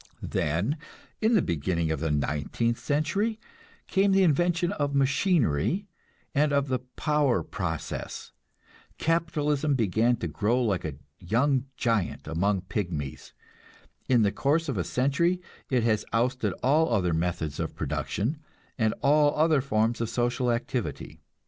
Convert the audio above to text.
Then, in the beginning of the nineteenth century, came the invention of machinery and of the power process. Capitalism began to grow like a young giant among pygmies. In the course of a century it has ousted all other methods of production, and all other forms of social activity.